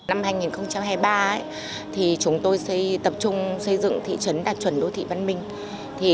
năm hai nghìn hai mươi ba chúng tôi sẽ tập trung xây dựng thị trấn đạt chuẩn đô thị văn minh